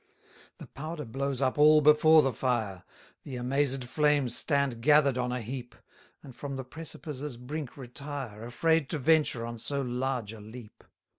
245 The powder blows up all before the fire: The amazèd flames stand gather'd on a heap; And from the precipice's brink retire, Afraid to venture on so large a leap.